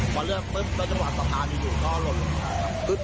พอเลื่อนปุ๊บรถมันสะพานอยู่ก็หล่นลงไป